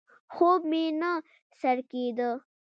خوب مې نه سر کېده.